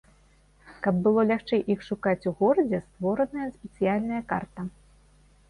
Каб было лягчэй іх шукаць у горадзе, створаная спецыяльная карта.